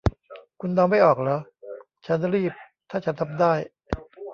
คุณเดาไม่ออกเหรอ 'ฉันรีบถ้าฉันทำได้'